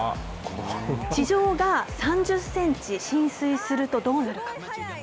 地上が３０センチ浸水するとどうなるか。